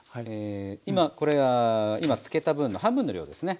今これは今漬けた分の半分の量ですね。